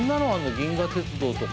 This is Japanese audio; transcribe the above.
「銀河鉄道」とか。